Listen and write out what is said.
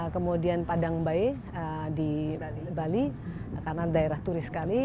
kemudian padang bae di bali karena daerah turis sekali